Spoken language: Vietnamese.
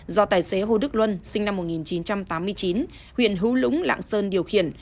do tài xế hồ đức luân sinh năm một nghìn chín trăm tám mươi chín huyện hữu lũng lạng sơn điều khiển